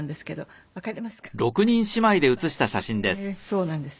そうなんです。